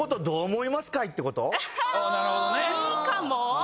いいかも？